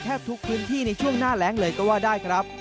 ทุกพื้นที่ในช่วงหน้าแรงเลยก็ว่าได้ครับ